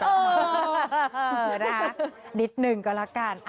เออนะคะนิดหนึ่งก็แล้วกัน